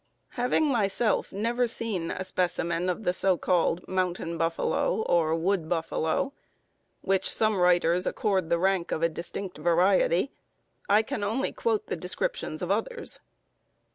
_ Having myself never seen a specimen of the so called "mountain buffalo" or "wood buffalo," which some writers accord the rank of a distinct variety, I can only quote the descriptions of others.